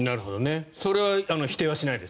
それは否定しないです。